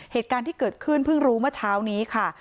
เหตุการณ์ที่เกิดขึ้นเพิ่งรู้เมื่อเช้านี้ค่ะ